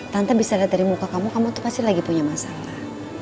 tante bisa lihat dari muka kamu kamu tuh pasti lagi punya masalah